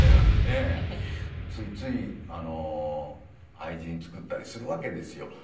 ついつい愛人作ったりするわけですよ。